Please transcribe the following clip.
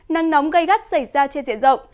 nắng nóng gây gắt xảy ra trên diện rộng